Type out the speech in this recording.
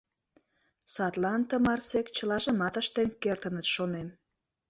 Садлан тымарсек чылажымат ыштен кертыныт, шонем.